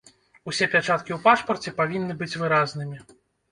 Усе пячаткі ў пашпарце павінны быць выразнымі.